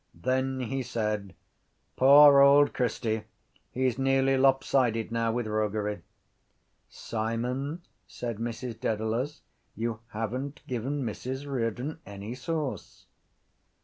Then he said: —Poor old Christy, he’s nearly lopsided now with roguery. —Simon, said Mrs Dedalus, you haven’t given Mrs Riordan any sauce.